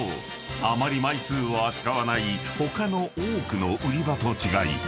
あまり枚数を扱わない他の多くの売り場と違い